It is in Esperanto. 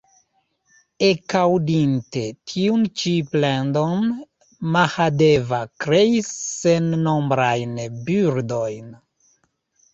Ekaŭdinte tiun ĉi plendon, Mahadeva kreis sennombrajn birdojn.